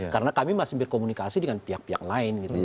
karena kami masih berkomunikasi dengan pihak pihak lain